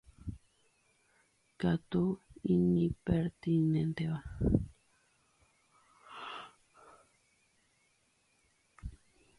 mitãnguéra kõinguéva katu iñipertinénteva hikuái